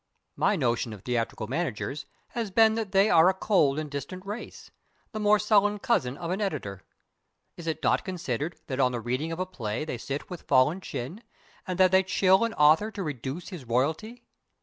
My notion of theatrical managers has been that they are a cold and distant race the more sullen cousin of an editor. Is it not considered that on the reading of a play they sit with fallen chin, and that they chill an author to reduce his royalty?